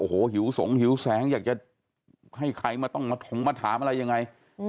โอ้โหหิวสงหิวแสงอยากจะให้ใครมาต้องมาถงมาถามอะไรยังไง